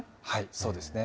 そうですね。